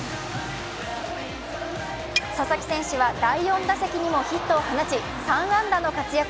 佐々木選手は第４打席にもヒットを放ち３安打の活躍。